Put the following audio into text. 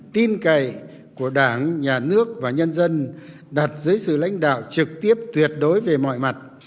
tin cậy của đảng nhà nước và nhân dân đặt dưới sự lãnh đạo trực tiếp tuyệt đối về mọi mặt